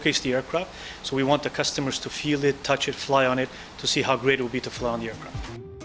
jadi kita ingin pelanggan merasakannya mengetuknya menerbangkannya untuk melihat seberapa bagus akan menjadi menerbang pesawat